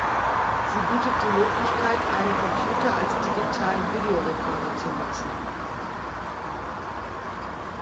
Sie bietet die Möglichkeit, einen Computer als digitalen Videorekorder zu nutzen.